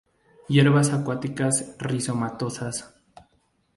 Hierbas acuáticas rizomatosas.